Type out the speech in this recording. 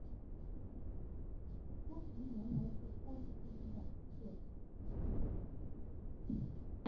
张宏原来是张鲸的座主。